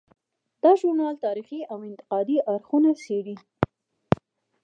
دا ژورنال تاریخي او انتقادي اړخونه څیړي.